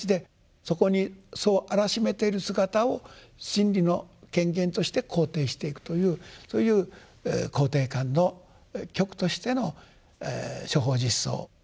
そこにそうあらしめている姿を真理の顕現として肯定していくというそういう肯定感の極としての「諸法実相」。